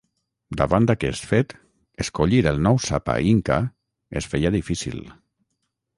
Davant d'aquest fet, escollir el nou Sapa Inca es feia difícil.